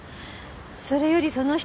それよりその人